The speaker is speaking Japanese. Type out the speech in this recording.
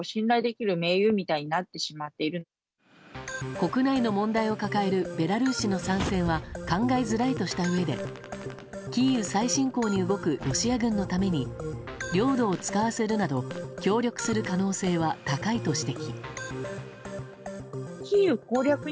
国内の問題を抱えるベラルーシの参戦は考えづらいとしたうえでキーウ再侵攻に動くロシア軍のために領土を使わせるなど協力する可能性は高いと指摘。